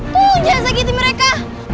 tolong jangan sakiti mereka